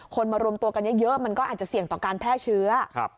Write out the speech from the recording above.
มารวมตัวกันเยอะมันก็อาจจะเสี่ยงต่อการแพร่เชื้อ